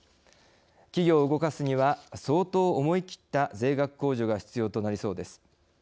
企業を動かすには相当思い切った税額控除が必要となりそうです。